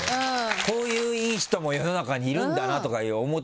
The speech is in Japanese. こういういい人も世の中にいるんだなとか思ってきたら。